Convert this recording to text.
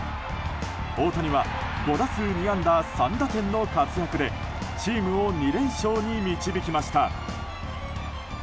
大谷は５打数２安打３打点の活躍でチームを２連勝に導きました。